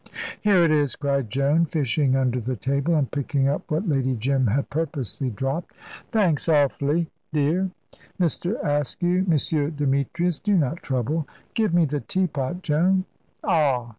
"Here it is," cried Joan, fishing under the table, and picking up what Lady Jim had purposely dropped. "Thanks awfully, dear. Mr. Askew, M. Demetrius, do not trouble. Give me the teapot, Joan. Ah!"